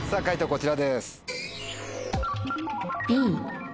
こちらです。